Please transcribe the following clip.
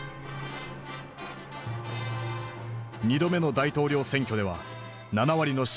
２度目の大統領選挙では７割の支持を獲得。